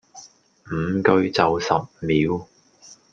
五句就十秒